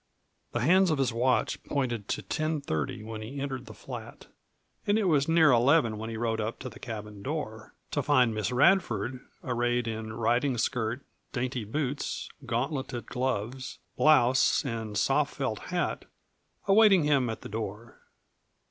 The hands of his watch pointed to ten thirty when he entered the flat, and it was near eleven when he rode up to the cabin door to find Miss Radford arrayed in riding skirt, dainty boots, gauntleted gloves, blouse, and soft felt hat awaiting him at the door.